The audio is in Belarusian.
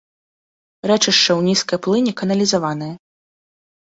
Рэчышча ў нізкай плыні каналізаванае.